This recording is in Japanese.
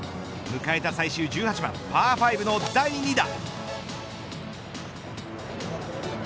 迎えた最終１８番パー５の第２打。